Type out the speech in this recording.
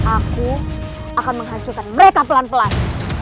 aku akan menghancurkan mereka pelan pelan